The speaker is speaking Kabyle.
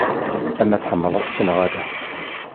Ama tḥemmleḍ-t neɣ ala.